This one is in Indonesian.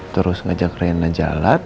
terus ngajak reina jalan